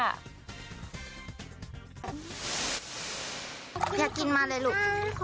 อยากกินมาเลยลูก